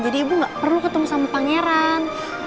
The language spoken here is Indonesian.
jadi ibu gak perlu ketemu sama pangeran